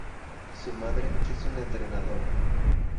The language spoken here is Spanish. Su madre es una entrenadora.